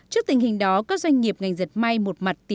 trước tình hình đó các doanh nghiệp ngành dệt may một mặt